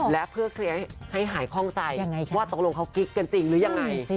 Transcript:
และเพื่อเคลียร์ให้หายคล่องใจว่าตกลงเขากิ๊กกันจริงหรือยังไง